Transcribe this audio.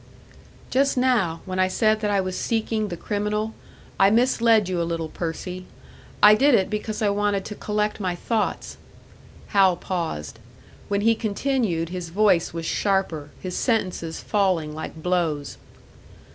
"Just now when I said that I was seeking the criminal, I misled you a little, Percy. I did it because I wanted to collect my thoughts." Hal paused: when he continued, his voice was sharper, his sentences falling like blows.